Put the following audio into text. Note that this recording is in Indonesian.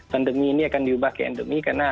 pandemi ini akan diubah ke endemi karena